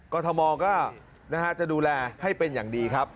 ทมก็จะดูแลให้เป็นอย่างดีครับ